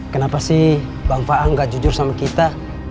kenapa sih bang faa gak jujur sama kita